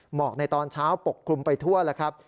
หมอกในตอนเช้าปกคลุมไปทั่วแล้วครับ